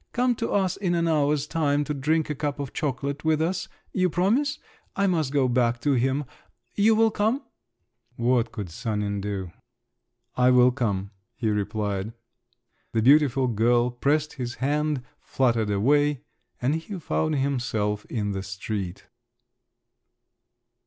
"Come to us in an hour's time to drink a cup of chocolate with us. You promise? I must go back to him! You will come?" What could Sanin do? "I will come," he replied. The beautiful girl pressed his hand, fluttered away, and he found himself in the street.